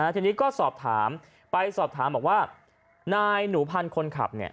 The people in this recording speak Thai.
ทีนี้ก็สอบถามไปสอบถามบอกว่านายหนูพันธ์คนขับเนี่ย